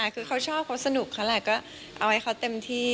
เค้าชอบเค้าสนุกเค้าเอาไว้เค้าเต็มที่